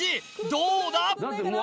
どうだ！